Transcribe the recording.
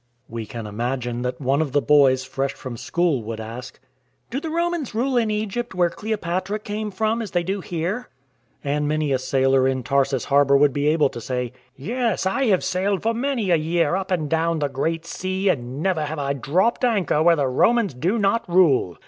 We can imagine that one of the boys fresh from school would ask: " Do the Romans rule in Egypt where Cleopatra came from as they do here ?" And many a sailor in Tarsus harbour would be able to say :" Yes, I have sailed for many a year up and down the Great Sea and never have I dropped anchor where the Romans do not rule.